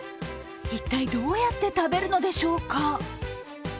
一体どうやって食べるのでしょうか。